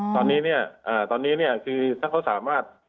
ตอนนี้เนี่ยคือถ้าเขาสามารถ